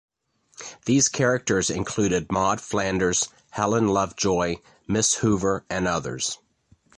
These characters included Maude Flanders, Helen Lovejoy, Miss Hoover, and others.